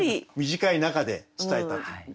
短い中で伝えたという。